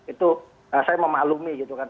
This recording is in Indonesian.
itu saya memaklumi gitu kan